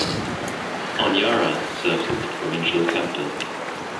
Honiara serves as the provincial capital.